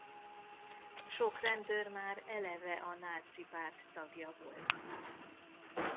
Sok rendőr már eleve a Náci Párt tagja volt.